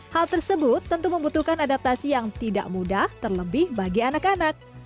hal tersebut tentu membutuhkan adaptasi yang tidak mudah terlebih bagi anak anak